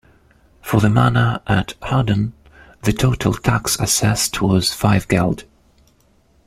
For the manor at Haddon the total tax assessed was five geld.